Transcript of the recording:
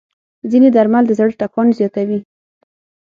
ځینې درمل د زړه ټکان زیاتوي.